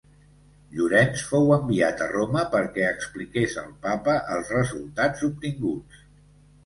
Llorenç fou enviat a Roma perquè expliqués al papa els resultats obtinguts.